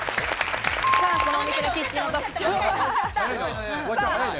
このお店のキッチンの特徴は？